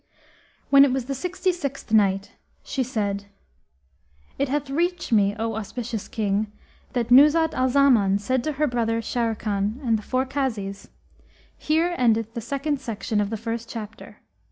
When it was the Sixty sixth Night, She said, It hath reached me, O auspicious King, that Nuzhat al Zaman said to her brother Sharrkan and the four Kazis, "Here endeth the second section of the first chapter.